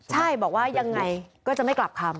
ใช่บอกว่ายังไงก็จะไม่กลับคำ